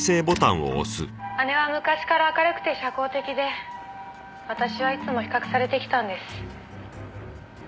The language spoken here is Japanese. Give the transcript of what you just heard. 「姉は昔から明るくて社交的で私はいつも比較されてきたんです」